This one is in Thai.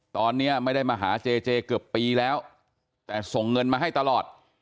ตอนนี้ไม่ได้มาหาเจเจเกือบปีแล้วแต่ส่งเงินมาให้ตลอด